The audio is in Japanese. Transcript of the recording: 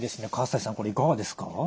西さんこれいかがですか？